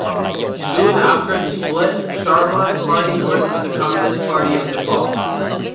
Soon after the split Sharma's party merged with the Communist Party of Nepal.